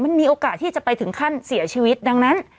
มันมีโอกาสที่จะไปถึงขั้นเสียชีวิตดังนั้น